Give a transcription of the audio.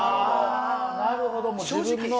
なるほどもう自分の。